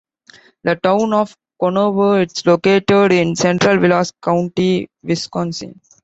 The Town of Conover is located in central Vilas County, Wisconsin.